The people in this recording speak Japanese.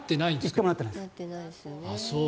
１回もなってないです。